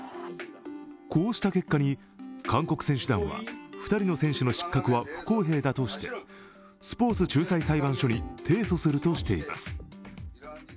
こうした結果に韓国選手団は２人の選手の失格は不公平だとしてスポーツ仲裁裁判所に提訴するとしています。